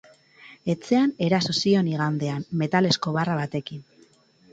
Etxean eraso zion igandean, metalezko barra batekin.